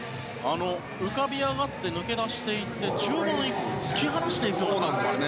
浮かび上がって抜け出していって中盤以降突き放していきました。